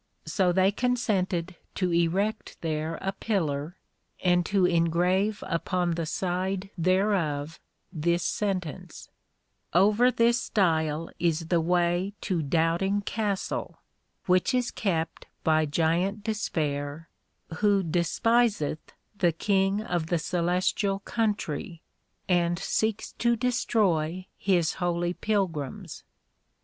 So they consented to erect there a Pillar, and to engrave upon the side thereof this sentence, Over this Stile is the way to Doubting Castle, which is kept by Giant Despair, _who despiseth the King of the Coelestial Country, and seeks to destroy his holy Pilgrims.